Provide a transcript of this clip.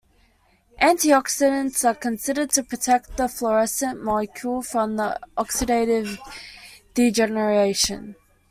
Antioxidants are considered to protect the fluorescent molecule from the oxidative degeneration.